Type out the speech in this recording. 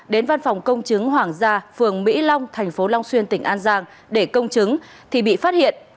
đến văn phòng công chứng hoàng gia phường mỹ long thành phố long xuyên tỉnh an giang để công chứng thì bị phát hiện